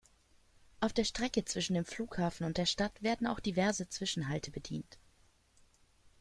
Auf der Strecke zwischen dem Flughafen und der Stadt werden auch diverse Zwischenhalte bedient.